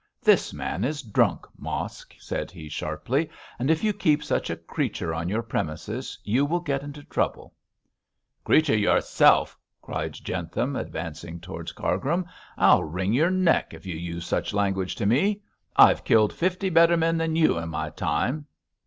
'This man is drunk, Mosk,' said he, sharply, 'and if you keep such a creature on your premises you will get into trouble.' 'Creature yourself!' cried Jentham, advancing towards Cargrim. 'I'll wring your neck if you use such language to me. I've killed fifty better men than you in my time.